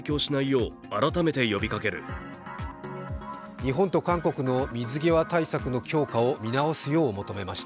日本と韓国の水際対策の強化を見直すよう求めました。